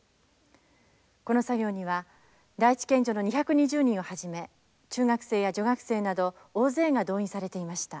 この作業には第一県女の２２０人をはじめ中学生や女学生など大勢が動員されていました。